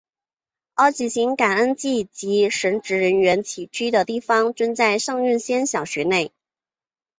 而举行感恩祭及神职人员起居的地方均在圣云仙小学内。